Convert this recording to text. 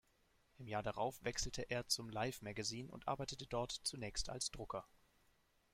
Im Jahr darauf wechselte er zum „Life“-Magazin und arbeitete dort zunächst als Drucker.